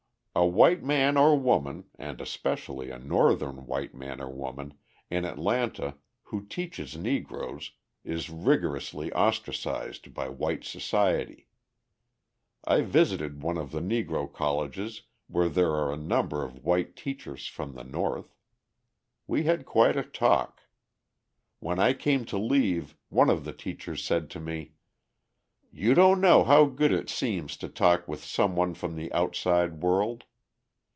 A white man or woman, and especially a Northern white man or woman, in Atlanta who teaches Negroes is rigorously ostracised by white society. I visited one of the Negro colleges where there are a number of white teachers from the North. We had quite a talk. When I came to leave one of the teachers said to me: "You don't know how good it seems to talk with some one from the outside world.